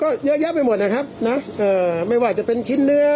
ก็เยอะแยะไปหมดนะครับเนอะเอ่อไม่ว่าจะเป็นชิ้นเนื้อ